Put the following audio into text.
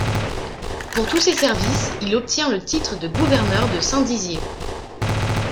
Pour tous ses services, il obtient le titre de gouverneur de Saint-Dizier.